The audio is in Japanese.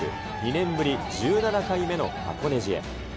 ２年ぶり１７回目の箱根路へ。